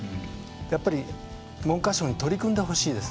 やっぱり、文科省に取り組んでほしいです。